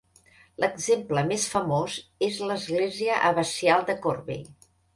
L'exemple més famós és l'església abacial de Corvey.